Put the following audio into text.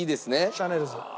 シャネルズ。